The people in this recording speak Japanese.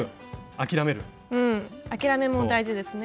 諦めも大事ですね。